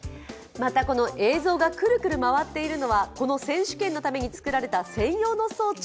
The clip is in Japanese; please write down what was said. また映像がクルクル回っているのは、この選手権のために作られた専用の装置。